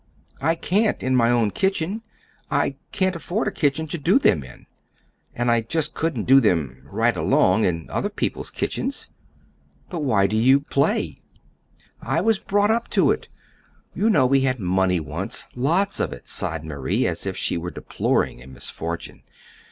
"I can't, in my own kitchen; I can't afford a kitchen to do them in. And I just couldn't do them right along in other people's kitchens." "But why do you play?" "I was brought up to it. You know we had money once, lots of it," sighed Marie, as if she were deploring a misfortune.